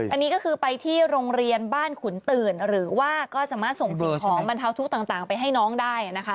อันนี้ก็คือไปที่โรงเรียนบ้านขุนตื่นหรือว่าก็สามารถส่งสิ่งของบรรเทาทุกข์ต่างไปให้น้องได้นะคะ